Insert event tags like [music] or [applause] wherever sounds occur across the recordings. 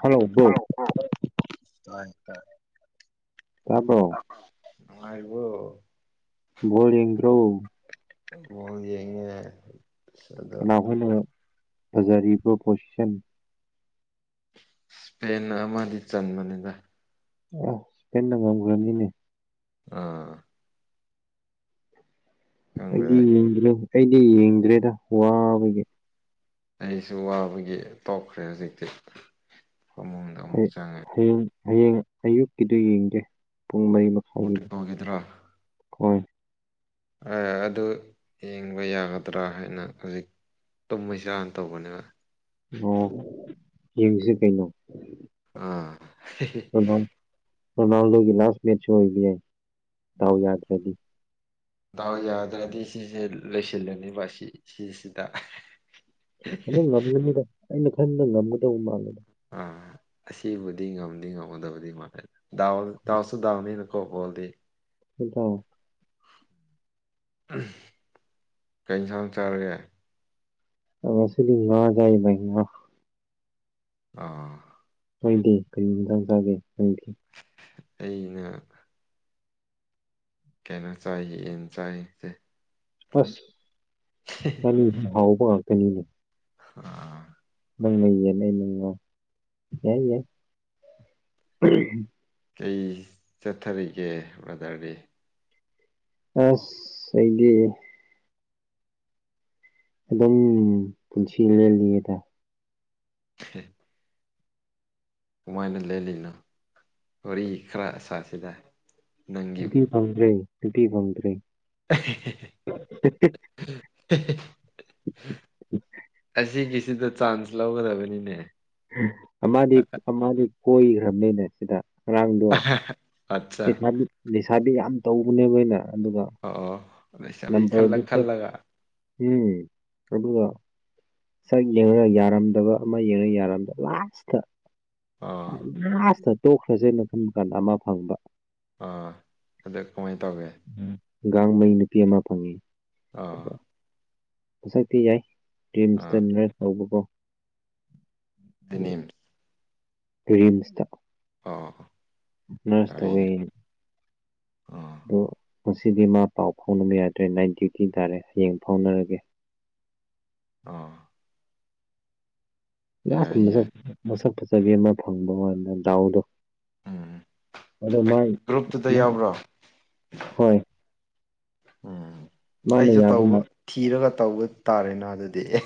hello ꯣ ꯀ ꯇꯀ꯭ꯔꯣ ꯅꯨꯡꯉꯥꯏꯔꯤꯕꯣ ꯣꯡ ꯇ꯭ꯔꯣ ꯍꯗꯤ ꯌꯦꯉ ꯀꯅꯥ ꯍꯨꯝꯅ ꯐꯖꯔꯤꯕ ꯄꯣꯖꯤꯁꯟ ꯏꯁꯄꯦꯟ ꯑꯃꯗꯤ ꯆꯟꯕꯅꯤꯗ ꯑꯄꯟꯅ꯭ꯔꯅꯤꯅꯦ ꯑꯥ ꯑꯩꯗꯤ ꯈꯪꯗꯦꯗ ꯌꯦꯡꯗꯅ ꯑꯩꯗꯤ ꯌꯦꯡꯗ꯭ꯔꯦꯗ ꯋꯥꯕꯒꯤ ꯑꯩꯁꯨ ꯋꯥꯕꯒꯤ ꯇꯣꯛꯈ꯭ꯔꯦ ꯍꯧꯖꯤꯛꯇꯤ ꯐꯃꯡꯗ ꯑꯃꯨꯛ ꯍꯌꯦ- ꯆꯪꯉꯦ ꯍꯌꯦꯡ ꯍꯌꯦꯡ ꯑꯌꯨꯛꯀꯤꯗꯨ ꯌꯦꯡꯗꯦ ꯄꯨꯡ ꯃꯔꯤ ꯃꯈꯥꯏꯒꯤꯗꯣ ꯄꯣꯔꯇꯨꯒꯜꯒꯤꯗꯨꯔꯣ ꯍꯣꯏ ꯑꯗꯨ ꯌꯦꯡꯕ ꯌꯥꯒꯗ꯭ꯔꯥ ꯍꯥꯏꯅ ꯍꯧꯖꯤꯛ ꯇꯨꯝꯃꯩꯁꯤꯔꯥꯟ ꯇꯧꯕꯅꯦꯕ ꯑꯣ ꯌꯦꯡꯁꯤ ꯀꯩꯅꯣ ꯑꯥ ꯃꯃꯥꯡꯗꯒꯤ ꯂꯥꯁ ꯃꯦꯠꯆꯁꯨ ꯑꯣꯏꯕ ꯌꯥꯏ ꯇꯥꯎ ꯌꯥꯗ꯭ꯔꯗꯤ ꯇꯎ ꯌꯥꯗ꯭ꯔꯗꯤ ꯁꯤꯁ ꯂꯣꯏꯁꯤꯂꯅꯤ ꯃꯥꯁꯤ ꯁꯤꯁꯤꯗ ꯑꯗꯨꯝ ꯉꯝꯒꯅꯤꯗ ꯑꯩꯅ ꯈꯟꯕꯗ ꯉꯝꯒꯗꯧꯕ ꯃꯥꯡꯒꯗ ꯑꯥ ꯑꯁꯤꯕꯨꯗꯤ ꯉꯝꯗꯤ ꯉꯝꯃꯗꯕꯗꯤ ꯃꯥꯜꯂ ꯗꯥꯎ ꯗꯥꯎꯁꯨ ꯗꯥꯎꯅꯤꯅ ꯀꯣꯄꯣꯗꯤ ꯍꯗ ꯀꯩ ꯏꯟꯁꯥꯡ ꯆꯔꯒꯦ [unintelligible] ꯑꯥ ꯍꯣꯏꯗꯤ ꯀꯔꯤ ꯃꯇꯥꯡ ꯆꯥꯒꯦ ꯊꯦꯡꯌꯨ ꯑꯩꯅ ꯀꯩ ꯏꯟꯖꯥꯡ ꯆꯥꯏ ꯏꯟ ꯆꯥꯏꯌꯦ ꯑꯁ ꯍꯥꯎꯕ ꯉꯥꯛꯇꯅꯤꯅꯦ ꯑꯥ [unintelligible] ꯀꯩ ꯆꯠꯊꯔꯤꯒꯦ ꯕ꯭ꯔꯗꯔꯗꯤ ꯑꯁ ꯑꯩꯒꯤ ꯑꯗꯨꯝ ꯄꯨꯟꯁꯤ ꯂꯦꯜꯂꯤꯌꯦꯗ [inaudible] ꯀꯃꯥꯏꯅ ꯂꯦꯜꯂꯤꯅꯣ ꯋꯥꯔꯤ ꯈꯔ ꯑꯁꯥꯁꯤꯗ ꯑꯗꯨꯗꯤ ꯐꯟ꯭ꯔꯦ ꯑꯗꯨꯗꯤ ꯐꯟꯔꯦ [inaudible] ꯑꯁꯤꯒꯤꯁꯤꯗ ꯆꯥꯟꯁ ꯂꯧꯒꯗꯕꯅꯤꯅꯦ ꯑꯃꯗꯤ ꯑꯃꯗꯤꯗꯤ ꯀꯣꯏꯈ꯭ꯔꯕꯅꯤꯅꯦ ꯁꯤꯗ ꯉꯔꯥꯡꯗꯣ ꯑꯠꯆꯥ ꯂꯩꯅꯤꯁꯥꯗꯤ ꯌꯥꯝ ꯇꯧꯕꯅꯦꯕ ꯑꯅ ꯑꯗꯨꯒ ꯑꯣ ꯑꯣ ꯂꯩꯁꯥꯕꯤ ꯈꯜꯂ ꯅꯝꯕꯔꯗꯨ ꯈꯜꯂꯒ ꯎꯝ ꯑꯗꯨꯒ ꯁꯛ ꯌꯦꯡꯉꯒ ꯌꯥꯔꯝꯗꯕ ꯑꯃ ꯌꯦꯡꯉꯒ ꯌꯥꯔꯝꯗꯕ ꯂꯥꯁꯇ ꯑꯥ ꯂꯥꯁꯇ ꯇꯣꯛꯈ꯭ꯔꯁꯦꯅ ꯈꯟ ꯀꯥꯟꯗ ꯑꯃ ꯐꯪꯕ ꯑꯥ ꯑꯗꯨ ꯀꯃꯥꯏꯅ ꯇꯧꯒꯦ ꯒꯥꯡ ꯃꯩ ꯅꯨꯄꯤ ꯑꯃ ꯐꯪꯏꯤ ꯑꯥ ꯃꯁꯛꯇꯤ ꯌꯥꯏ ꯔꯤꯝꯁꯇ ꯑꯥ ꯅꯔꯁ ꯇꯧꯕꯀꯣ ꯝ ꯔꯤꯝꯁꯇ ꯑꯣ ꯌꯥꯏꯅꯦ ꯅꯔꯁꯇꯧꯋꯅꯤ ꯑꯥ ꯑꯗꯣ ꯉꯁꯤꯗꯤ ꯃꯥ ꯄꯥꯎ ꯐꯥꯎꯅꯕ ꯌꯥꯗ꯭ꯔꯦ ꯅꯥꯏꯠ ꯗ꯭ꯌꯨꯇꯤ ꯇꯥꯔꯦ ꯍꯌꯦꯡ ꯐꯥꯎꯅꯔꯒꯦ [inaudible] ꯑ ꯂꯥꯁꯇ ꯌꯥꯏ ꯃꯁꯛ ꯃꯁꯛ ꯐꯖꯕꯤ ꯑꯃ ꯐꯪꯕ ꯋꯥꯥꯟꯗ ꯗꯥꯎꯗꯣ ꯎꯝ ꯑꯗ ꯃꯥꯏ ꯒ꯭ꯔꯨꯞꯇꯨꯗ ꯌꯥꯎꯕ꯭ꯔꯣ ꯍꯣꯏ ꯎꯝ ꯃꯥꯅ ꯑꯩꯁꯨ ꯌꯥꯕ ꯇꯧꯕ ꯊꯤꯔꯒ ꯇꯧꯕ ꯇꯥꯔꯦꯅ ꯑꯗꯨꯗꯤ ꯑꯦ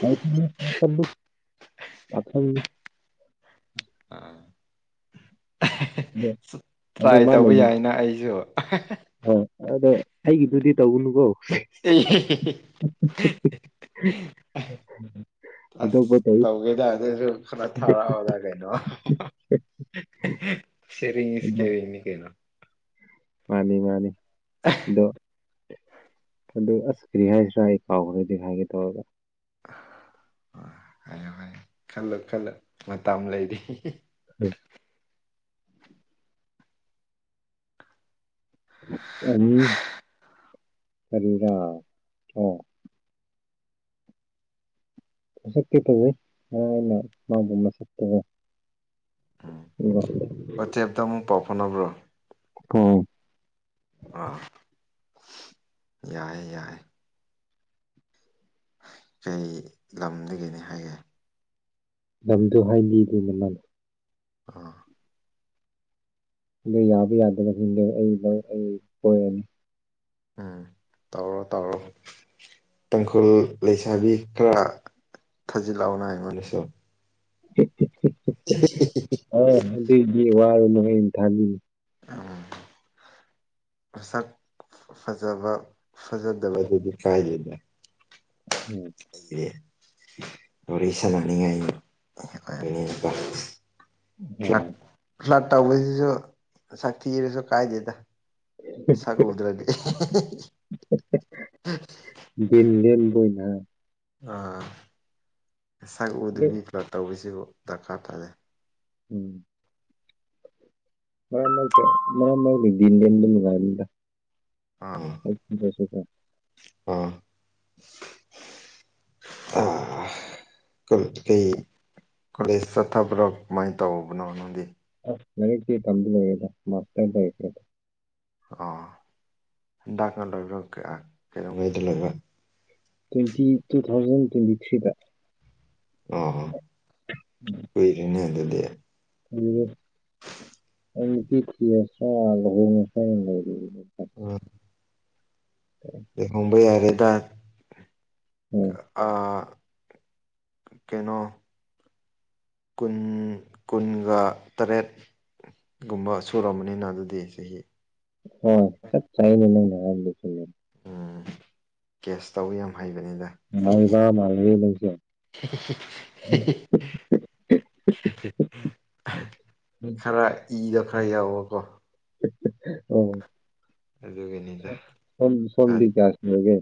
[inaudible] ꯄꯊꯪ ꯑꯥ ꯎꯝ ꯇ꯭ꯔꯥꯏ ꯇꯧꯕ ꯌꯥꯏꯅ ꯑꯩꯁꯨ ꯑ ꯑꯗꯣ ꯑꯩꯒꯤꯗꯨꯗꯤ ꯇꯧꯒꯅꯨꯀꯣ ꯑꯦ ꯑꯇꯣꯞꯄ ꯑꯁ ꯇꯧ ꯇꯧꯒꯦꯗ ꯑꯗꯨꯁꯨ ꯈꯔ ꯊꯥꯔꯛꯑꯣꯗ ꯀꯩꯅꯣ ꯁꯔꯤ ꯃꯤꯁ ꯀꯦ ꯑꯗꯣ ꯏꯅꯤ ꯀꯦꯅ ꯃꯥꯅꯤ ꯃꯥꯅꯤꯗꯣ ꯑꯗꯨ ꯑꯁ ꯀꯔꯤ ꯍꯥꯏꯁꯤꯔꯥ ꯑꯩ ꯀꯥꯎꯈ꯭ꯔꯦꯗꯤ ꯍꯥꯏꯒꯦ ꯇꯧꯔꯒ ꯍꯥꯏꯌꯨ ꯍꯥꯏ ꯈꯜꯂꯣ ꯈꯜꯂꯣ ꯃꯇꯝ ꯂꯩꯔꯤ ꯎꯝ ꯑ ꯁꯔ [unintelligible] [inaudible] ꯁꯛꯇꯦ ꯇꯕꯨ ꯑꯩꯅ ꯃꯥꯕꯨꯅ ꯁꯕ ꯎꯝ ꯋꯥꯆꯦꯞꯇ ꯑꯃꯨꯛ ꯄꯥꯎ ꯐꯥꯎꯅꯕ꯭ꯔꯣ ꯍ [unintelligible] ꯑꯥ ꯌꯥꯏꯦ ꯌꯥꯏꯦ ꯀꯩ ꯂꯝꯗꯒꯤꯗꯒꯤꯅꯤ ꯍꯥꯏꯒꯦ ꯂꯝꯗꯣ ꯍꯥꯏꯕꯤꯗꯣꯏꯅ ꯃꯥꯂ ꯑꯥ ꯑꯗꯨ ꯌꯥꯕ ꯌꯥꯗꯕ ꯈꯗꯦ ꯑꯩ ꯑꯩ ꯀꯣꯏꯔꯅꯤ ꯎꯝ ꯇꯧꯔꯣ ꯇꯧꯔꯣ ꯇꯥꯡꯈꯨꯜ ꯂꯩꯁꯥꯕꯤ ꯈꯔ ꯊꯥꯖꯤꯜꯂꯛꯑꯣꯅ ꯑꯩꯉꯣꯟꯗꯁꯨ ꯑ [unintelligible] [inaudible] ꯒꯤ ꯋꯥꯔ ꯃꯣꯍꯤꯟ ꯊꯅꯤ ꯎꯝ ꯃꯁꯛ ꯐꯖꯕ ꯐꯖꯗꯕꯗꯨꯗꯤ ꯀꯥꯏꯗꯦꯗ ꯎꯝ ꯑꯣꯔꯁ ꯂꯅꯤꯉ ꯎꯝ ꯇꯧꯕꯁꯤꯁꯨ ꯁꯥꯛꯊꯤꯔꯁꯨ ꯀꯥꯏꯗꯦꯗ ꯁꯒꯂꯗꯔꯒꯦ ꯕꯣꯏꯅ ꯑꯥ ꯄꯁꯛ ꯑꯗꯨ ꯎꯗꯕꯤ ꯄ꯭ꯂꯣꯠ ꯇꯧꯕꯁꯤ ꯗꯔꯀꯥꯔ ꯇꯥꯖꯩ ꯎꯝ ꯃ ꯃꯃ ꯀꯥꯏ ꯑꯥ ꯑꯁ ꯐ ꯑꯥ ꯑꯥ ꯀꯩ ꯀꯣꯂꯦꯖ ꯆꯠꯊꯕ꯭ꯔꯣ ꯀꯃꯥꯏꯅ ꯇꯧꯕꯅꯣ ꯅꯪꯒꯤ ꯃ ꯇꯝꯕ ꯑꯣꯏꯗ ꯃꯗ ꯑ ꯏꯀ ꯂꯦ [unintelligible] ꯇ꯭ꯋꯦꯟꯇꯤ ꯇꯨ ꯊꯥꯎꯖꯟ ꯇ꯭ꯋꯦꯟꯇꯤ ꯊ꯭ꯔꯤꯗ ꯑ ꯑꯣꯏꯣꯏꯔꯅꯤ ꯌꯦ ꯑꯗꯨ ꯂꯩ ꯎꯝ [inaudible] ꯑꯦꯗꯤ ꯊ ꯑꯁꯣ ꯑꯜꯍ ꯃꯁ ꯂꯩ ꯑꯣ ꯃꯨꯝꯕꯩ ꯌꯥꯔꯦꯗ ꯎꯝ ꯑ ꯀꯩꯅꯣ ꯀꯨꯟ ꯀꯨꯟꯒ ꯇꯔꯦꯠ ꯒꯨꯝꯕ ꯁꯨꯔꯔꯕꯅꯤꯅ ꯑꯗꯨꯗꯤ ꯆꯍꯤ ꯍꯣꯏ ꯆꯠ ꯆꯥꯏꯅꯉꯅꯔ ꯎꯝ ꯀꯦꯁ ꯇꯧꯋ ꯌꯥꯝ ꯍꯥꯏ ꯉꯕ ꯃꯥꯜ [inaudible] [unintelligible] ꯈꯔ ꯏꯗꯣ ꯈꯔ ꯌꯥꯎꯕꯀꯣ ꯑꯣ ꯑꯗꯨꯒꯤꯅꯤꯗ ꯁ ꯁꯣꯝꯗꯤ ꯑꯁꯂꯒꯦ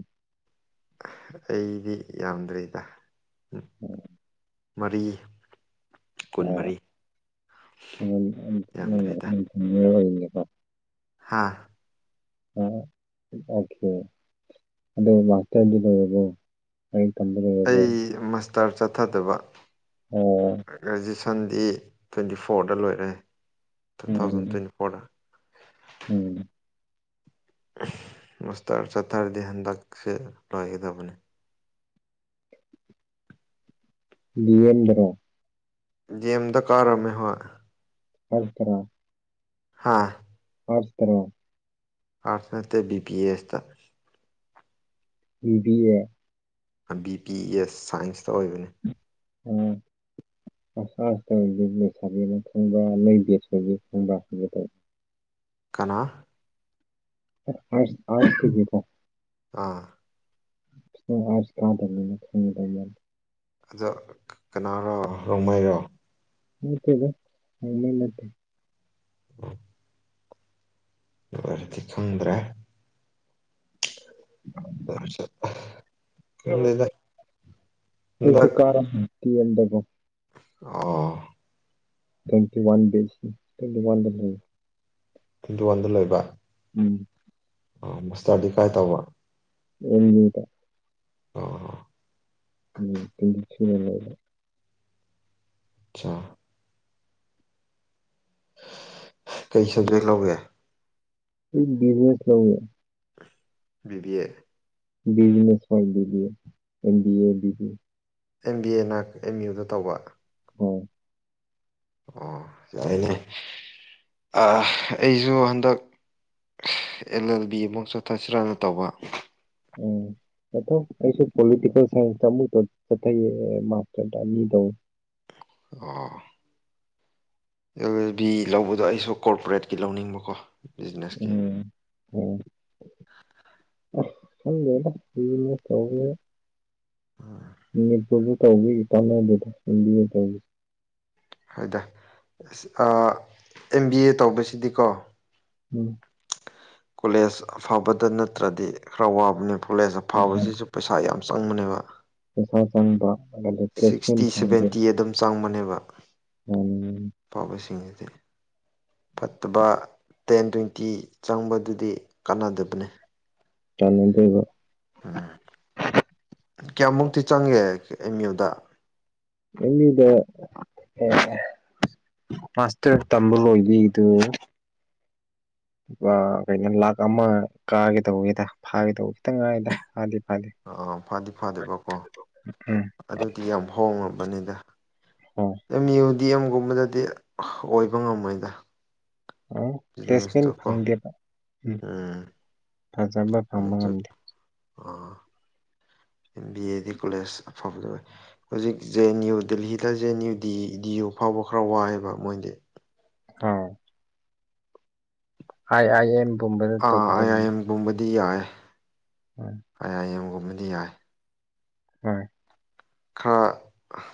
ꯑꯩꯗꯤ ꯌꯥꯝꯗ꯭ꯔꯦꯗ ꯎꯝ ꯃꯔꯤ ꯀꯨꯟꯃꯔꯤ ꯌꯥꯝꯗ꯭ꯔꯤꯗ ꯑ ꯍꯥꯥ ꯑ ꯑꯣꯀꯦ ꯑꯗ ꯃꯥꯇꯖ ꯂꯔꯕꯣ ꯑꯩ ꯃꯥꯁꯇꯔ ꯆꯠꯊꯗꯕ ꯑꯣ ꯒ꯭ꯔꯦꯖꯁ ꯁꯟꯗꯤ ꯇ꯭ꯋꯦꯟꯇꯤ ꯐꯣꯔꯗ ꯂꯣꯏꯔꯦ ꯇꯨ ꯊꯥꯎꯖꯟ ꯎꯝ ꯇ꯭ꯋꯦꯟꯇꯤ ꯐꯣꯔꯗ ꯎꯝ ꯃꯁꯇꯔ ꯆꯠꯊꯔꯗꯤ ꯍꯟꯗꯛꯁꯦ ꯂꯣꯏꯒꯗꯕꯅꯤ ꯂꯌꯦꯟꯗ꯭ꯔꯣ ꯌꯦꯦꯝꯗ ꯀꯥꯔꯝꯃꯦꯍ ꯍꯜ ꯇꯔꯥ ꯍꯥꯥ ꯄꯇ꯭ꯔꯣ ꯑꯥꯔꯊꯅꯦꯦ B P A ꯏꯁꯁꯇ ꯏꯕꯤꯗꯤ A B P S ꯁꯥꯏꯟꯁꯇ ꯑꯣꯏꯕꯅꯤ ꯎꯝ ꯑꯁꯁꯤ ꯇꯧ ꯂꯣꯏ ꯁꯥꯕꯤꯦ ꯑꯃ ꯊꯪꯕ ꯅꯣꯏꯕꯦ ꯁꯣꯏꯕꯦ ꯊꯣꯡꯕ ꯍꯥꯏꯕꯗꯧ ꯀꯅꯥ ꯑꯥ ꯌꯦꯗ ꯑꯥ ꯑꯁ ꯀꯥꯗꯂꯅ ꯈꯪ ꯇ ꯑꯗ ꯀꯅꯥꯔꯣ ꯔꯣꯡꯃꯩꯔꯣ ꯃꯠꯇꯕ ꯅꯠꯇꯦ [inaudible] [unintelligible] ꯔꯗꯤ ꯈꯪꯗ꯭ꯔꯦ ꯈꯪꯗꯦꯗ ꯀꯩꯁꯨ ꯀꯝ ꯤꯣ ꯑ ꯇ꯭ꯋꯦꯟꯇꯤ ꯋꯥꯟ ꯕꯤ ꯇ꯭ꯋꯦꯟꯇꯤ ꯋꯥꯟꯗ ꯂꯩ ꯇ꯭ꯋꯦꯟꯇꯤ ꯋꯥꯟꯗ ꯂꯣꯏꯕ ꯎꯝ ꯑ ꯃꯁꯇꯥꯔꯗꯤ ꯀꯥꯏ ꯇꯧꯕ ꯎꯃꯤꯗ ꯑ ꯎꯝ ꯇꯁꯤꯗ ꯑꯆꯥ ꯀꯩ ꯁꯕꯖꯦꯛ ꯂꯧꯒꯦ ꯕꯤꯖꯤꯅꯦꯁꯦ ꯕꯤꯗꯤ ꯕꯤꯖꯤꯅꯦꯁ ꯑꯦ ꯑꯦꯝ ꯕꯤ ꯑꯦꯅ ꯑꯦꯝ ꯌꯨꯗ ꯇꯧꯕ ꯑꯣ ꯑꯣ ꯌꯥꯅꯦ ꯑꯩꯁꯨ ꯍꯟꯗꯛ ꯑꯦꯜ ꯑꯦꯜ ꯕꯤ ꯑꯃꯨꯛ ꯆꯣꯠꯊꯁꯤꯔꯅ ꯇꯧꯕ ꯎꯝ ꯑ ꯑꯩꯁꯨ ꯄꯣꯂꯤꯇꯀꯦꯜ ꯁꯥꯏꯟꯁꯨꯛꯇ ꯃꯥꯔ [inaudible] ꯑꯥ ꯚ ꯂꯧꯕꯗꯣ ꯑꯩꯁꯨ ꯀꯣꯔꯄꯣꯔꯦꯠꯀꯤ ꯂꯧꯅꯤꯡꯕꯀꯣ ꯕꯤꯖꯤꯅꯦꯁꯀꯤ ꯎꯝ ꯍ ꯁ ꯐꯪꯒꯦ ꯃꯁ ꯎꯝ ꯃꯅꯤꯄꯨꯔꯕꯨ ꯇꯧꯋꯤ ꯇꯅꯣꯕꯨꯗ ꯍꯤꯟꯗꯤꯕꯨ ꯇꯧꯋꯤ ꯑꯗꯨꯣꯏꯗ ꯑꯦꯝ ꯕꯤ ꯑꯦ ꯇꯧꯕꯁꯤꯗꯤꯀꯣ ꯎꯝ ꯀꯣꯂꯦꯖ ꯑꯐꯕꯗ ꯅꯠꯇ꯭ꯔꯗꯤ ꯈꯔ ꯋꯥꯕꯅꯤ ꯀꯣꯂꯦꯖ ꯑꯐꯕꯁꯤꯁꯨ ꯄꯩꯁꯥ ꯌꯥꯝ ꯆꯪꯕꯅꯦꯕ ꯆꯁ ꯆꯟꯕ ꯁꯤꯛꯁꯇꯤ ꯁꯚꯦꯟꯇꯤ ꯑꯗꯨꯝ ꯆꯪꯕꯅꯦꯕ ꯑꯣꯝ ꯦ ꯐꯠꯇꯕ ꯇꯦꯟ ꯇ꯭ꯋꯦꯟꯇꯤ ꯆꯪꯕꯗꯨꯗꯤ ꯀꯥꯟꯅꯗꯕꯅꯤ ꯆꯅꯗꯕꯣ ꯎꯝ ꯀꯌꯥꯃꯨꯛꯇꯤ ꯆꯪꯒꯦ ꯑꯦꯝ ꯌꯨꯗ ꯏꯗ ꯍ ꯃꯥꯁꯇꯔ ꯇꯝꯕꯜ ꯏꯗꯤ ꯏꯗꯨ ꯂꯨꯄꯥ ꯀꯩꯅꯣ ꯂꯥꯛ ꯑꯃ ꯀꯥꯒꯦ ꯇꯧꯕꯦꯗ ꯐꯥꯒꯦ ꯇꯧꯕ ꯈꯤꯇꯪ ꯉꯥꯏꯗ ꯍꯥꯏꯗꯤ ꯑꯥ ꯐꯗꯤ ꯐꯗꯦꯕꯀꯣ ꯎꯝ ꯑꯗꯨꯗꯤ ꯌꯥꯝ ꯍꯣꯡꯉꯕꯅꯤꯗ ꯍꯣꯏ ꯑꯦꯝ ꯌꯨ ꯗꯤ ꯑꯦꯝꯒꯨꯝꯕꯗꯗꯤ ꯑꯣꯏꯕ ꯉꯝꯃꯣꯏꯗ ꯑ ꯄ꯭ꯂꯦꯁꯃꯦꯟ ꯕꯤꯖꯤꯅꯦꯁꯇꯣ ꯀꯣ ꯐꯗꯕ ꯎ ꯎꯝ ꯐꯖꯕ ꯐꯪꯕ ꯑꯗꯨ ꯉꯝꯗꯦ ꯑꯥ M B A D college ꯑꯐꯕꯗ ꯑꯣꯏ ꯍꯧꯖꯤꯛ ꯖꯦ ꯑꯦꯟ ꯌꯨ ꯗꯦꯜꯂꯤꯗ ꯖꯦ ꯑꯦꯟꯨꯗꯤ ꯗꯤ ꯌꯨ ꯐꯥꯎꯕ ꯐꯧꯕ ꯈꯔ ꯋꯥꯏꯑꯦꯕ ꯃꯣꯏꯗꯤ ꯑ ꯑꯥꯏ ꯑꯥꯏ ꯑꯦꯝ ꯑꯥ ꯑꯥꯏ ꯑꯥꯏ ꯑꯦꯝꯒꯨꯝꯕꯗꯤ ꯌꯥꯏ ꯑꯥꯏ ꯎꯝ ꯑꯥꯏ ꯑꯦꯝꯒꯨꯝꯕꯗꯤ ꯌꯥꯏ ꯍꯣꯏ ꯈꯔ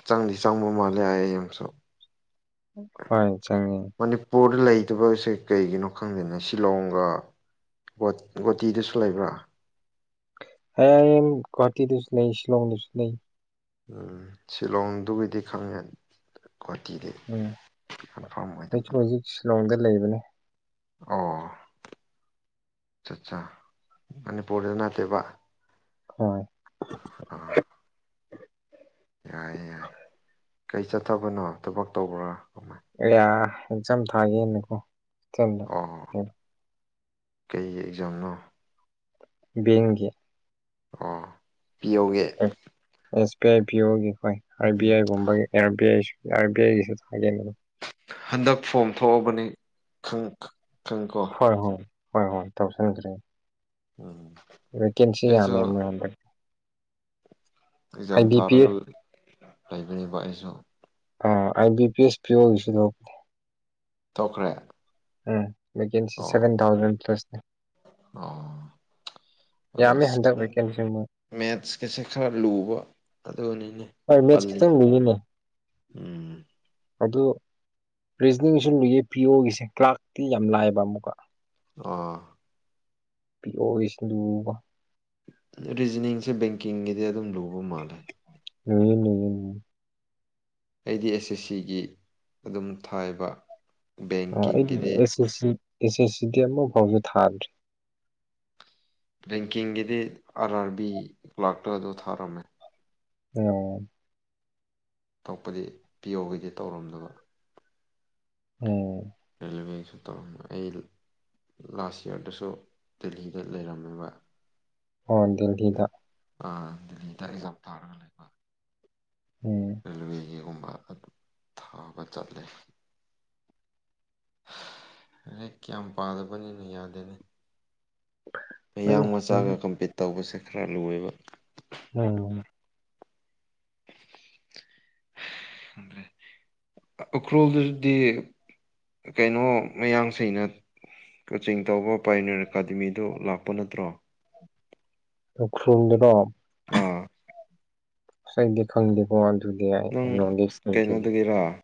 ꯆꯪꯗꯤ ꯆꯪꯕ ꯃꯥꯜꯂꯦ ꯑꯩꯡꯁꯨ ꯍ ꯃꯅꯤꯄꯨꯔꯗ ꯂꯩꯇꯕꯁꯦ ꯀꯩꯒꯤꯅꯣ ꯈꯪꯗꯅꯦ ꯁꯤꯂꯣꯡꯒ ꯒꯣꯇꯤꯗꯨꯁꯨ ꯂꯩꯕ꯭ꯔꯥ ꯍꯦ ꯒꯨꯍꯥꯇꯤꯗꯨꯁꯨ ꯅ ꯁꯤꯂꯣꯡꯗꯨꯁꯨ ꯅ ꯎꯝ ꯁꯤꯂꯣꯡꯗꯨꯒꯤꯗꯤ ꯈꯪꯉꯦ ꯒꯨꯍꯥꯇꯤꯗꯤ ꯎꯝ ꯀꯟꯐꯥꯔꯝ ꯑꯩꯁꯨ ꯑꯣꯏꯗꯕ ꯍꯧꯖꯤꯛ ꯁꯤꯂꯣꯡꯗ ꯂꯩꯕꯅꯦ ꯑꯣ ꯑ ꯑꯆꯥ ꯑꯅꯤ ꯄꯔꯗꯅꯠꯇꯦꯕ ꯍꯣꯏ ꯌꯥꯏ ꯌꯥꯏ ꯀꯩ ꯆꯠꯊꯕꯅꯣ ꯊꯕꯛ ꯇꯧꯕ꯭ꯔꯥ ꯌꯥ ꯑꯦꯛꯖꯥꯝ ꯊꯥꯒꯦꯅꯀꯣꯗ ꯑꯣ ꯀꯩ ꯑꯦꯛꯖꯥꯝꯅꯣ ꯕꯤꯦꯡꯒꯤ ꯑ ꯄꯤꯌꯧꯒꯦ ꯄꯤ ꯑꯥꯏ ꯄꯤ ꯑꯣꯒꯤ ꯍꯣꯏ ꯑꯥꯔ ꯕꯤ ꯑꯥꯏꯒꯨꯝꯕꯒꯤ R B I R B ꯑꯥꯏꯒꯤꯁꯨ ꯊꯥꯒꯦꯅꯦ ꯍꯟꯗꯛ ꯐꯣꯝ ꯊꯣꯛꯑꯕꯅꯤ ꯈꯪ ꯀꯣ ꯍꯣꯏ ꯍꯣꯏ ꯍꯣꯏ ꯍꯣꯏ ꯇꯧꯁꯤꯟꯈ꯭ꯔꯦ ꯎꯝ ꯚꯦꯀꯦꯟꯁꯤ ꯑꯩꯁꯨ ꯌꯥꯝꯃꯦ ꯃꯣꯏ ꯍꯟꯗ ꯑꯦꯛꯖꯥꯝ ꯊꯥꯔꯒ ꯂꯩꯕꯅꯦꯕ ꯑꯩꯁꯨ ꯑꯥ ꯑꯥꯏ ꯕꯤ ꯄꯤ ꯑꯦꯁ ꯄꯤ ꯑꯣꯒꯤꯁꯨꯗꯄ ꯊꯣꯛꯈ꯭ꯔꯦ ꯎꯝꯁꯤ ꯑꯣ ꯁꯚꯦꯟ ꯊꯥꯎꯖꯟ ꯄ꯭ꯂꯁꯅꯦ ꯑꯣ ꯑꯗꯣ ꯌꯥꯝꯃꯦ ꯍꯟꯗꯛ ꯚꯦꯀꯦꯟꯁꯤ ꯃꯣꯏ ꯃꯦꯠꯁꯀꯁꯦ ꯈꯔ ꯂꯨꯕ ꯑꯗꯨꯅꯤꯅꯦ ꯑꯩ ꯃꯦꯆ ꯄꯜꯂꯤꯁꯦ ꯈꯈꯤꯇꯪ ꯅꯤꯅꯦ ꯎꯝ ꯑꯗꯨ ꯔꯤꯖꯅꯤꯡꯁꯨ ꯂꯨꯏꯌꯦ ꯄꯤ ꯑꯣꯒꯤꯁꯦ ꯀ꯭ꯂꯥꯛꯇꯤ ꯌꯥꯝ ꯂꯥꯏꯑꯕ ꯑꯃꯨꯛꯀ ꯑꯥ ꯄꯤ ꯑꯣ ꯏꯁꯅꯒ ꯔꯤꯖꯅꯤꯡꯁꯦ ꯕꯦꯡꯀꯤꯡꯒꯤꯗꯤ ꯑꯗꯨꯝ ꯂꯨꯕ ꯃꯥꯜꯂꯦ ꯎꯅꯦ ꯑꯩ ꯗꯤ ꯑꯦꯁ ꯑꯦꯁ ꯁꯤꯒꯤ ꯑꯗꯨꯝ ꯊꯥꯏꯕ ꯑ ꯑꯩ ꯕꯦꯡꯀꯤꯡꯒꯤꯗꯤ ꯑꯦꯁ ꯑꯦꯁ ꯑꯦꯁ ꯁꯤꯗꯤ ꯑꯃ ꯐꯥꯎꯁꯨ ꯊꯥꯗ꯭꯭ꯔꯔꯤ ꯔꯦꯡꯀꯤꯡꯒꯤꯗꯤ ꯑꯥꯔ ꯑꯥꯔ ꯕꯤ ꯂꯥꯛꯇꯨ ꯑꯗꯨ ꯊꯥꯔꯝꯃꯦ ꯑꯣ ꯇꯄꯗꯤ ꯄꯤꯌꯣꯒꯤꯗꯤ ꯇꯧꯔꯝꯗꯕ ꯎꯝ ꯔꯦꯜꯋꯦꯁꯨ ꯇꯧꯔꯝꯃ ꯑꯩ ꯂꯥꯁ ꯏꯌꯥꯔꯗꯁꯨ ꯗꯦꯜꯂꯤꯗ ꯂꯩꯔꯝꯃꯦꯕ ꯑꯣ ꯗꯦꯜꯂꯤꯗ ꯑꯥ ꯗꯦꯜꯂꯤꯗ ꯑꯦꯛꯖꯥꯝ ꯇꯥꯔꯒ ꯂꯩꯕ ꯎꯝ ꯔꯦꯜꯋꯦꯒꯤꯒꯨꯝ ꯑꯗꯨ ꯊꯥꯕ ꯆꯠꯂꯦ ꯍꯦꯛ ꯀꯌꯥꯝ ꯄꯥꯗꯕꯅꯤꯅꯣ ꯌꯥꯗꯦꯅꯤ ꯃꯌꯥꯡ ꯍꯣꯏꯅꯦ ꯃꯆꯥꯒ ꯀꯝꯄꯤꯠ ꯇꯧꯕꯁꯦ ꯈꯔ ꯂꯣꯏꯕ ꯑꯝ ꯎꯈ꯭ꯔꯣꯜꯗꯗꯤ ꯀꯩꯅꯣ ꯃꯌꯥꯁꯤꯩꯅ ꯀꯣꯆꯤꯡ ꯇꯧꯕ ꯄꯥꯏꯅꯔ ꯑꯦꯀꯥꯗꯃꯤꯗꯨ ꯂꯥꯛꯄ ꯅꯠꯇ꯭ꯔꯣ ꯂꯧꯈ꯭ꯔꯨꯝꯗꯅꯣ ꯑꯥ ꯥꯏꯣ ꯑꯗꯨꯗꯤ ꯌꯥ ꯅꯪ ꯅꯣꯁꯅꯦ ꯀꯩꯅꯣꯗꯒꯤꯔꯥ